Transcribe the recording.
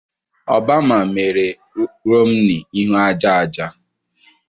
Obama mere Romney ihu aja aja